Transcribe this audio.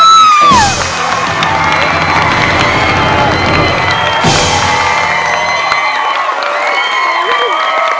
คันปีเบรน